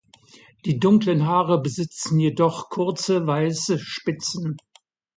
Die dunklen Haare besitzen jedoch kurze weiße Spitzen.